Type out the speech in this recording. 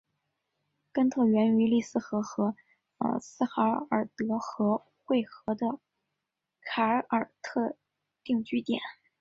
根特源于利斯河和斯海尔德河汇合的凯尔特定居点。